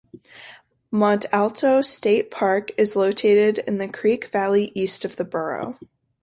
Mont Alto State Park is located in the creek valley east of the borough.